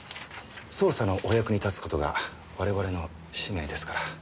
捜査のお役に立つ事が我々の使命ですから。